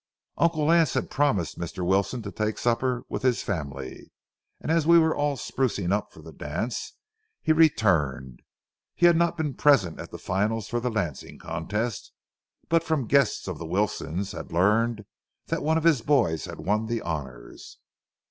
Uncle Lance had promised Mr. Wilson to take supper with his family, and as we were all sprucing up for the dance, he returned. He had not been present at the finals of the lancing contest, but from guests of the Wilsons' had learned that one of his boys had won the honors.